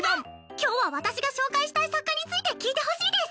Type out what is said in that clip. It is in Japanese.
今日は私が紹介したい作家について聞いてほしいです。